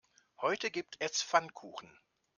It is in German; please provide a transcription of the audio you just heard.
Heute gibt es Pfannkuchen.